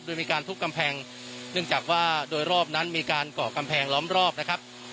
โดยมีการทุบกำแพงเนื่องจากว่าโดยรอบนั้นมีการเกาะกำแพงล้อมรอบนะครับ